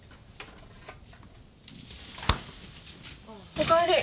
おかえり。